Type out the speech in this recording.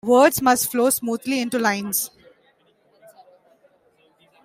Words must flow smoothly into lines.